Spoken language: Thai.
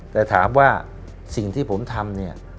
แต่ถามว่าสิ่งที่ผมทำ